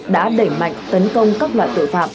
đã đẩy mạnh tấn công các loại tội phạm